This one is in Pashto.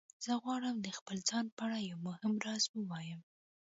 زه غواړم د خپل ځان په اړه یو مهم راز ووایم